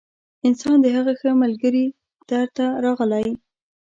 انسان د هغه ښه ملګري در ته راغلی